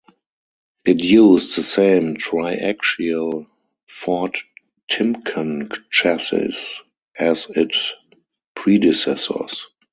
It used the same triaxial Ford-Timken chassis as it predecessors.